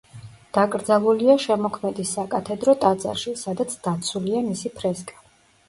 დაკრძალულია შემოქმედის საკათედრო ტაძარში, სადაც დაცულია მისი ფრესკა.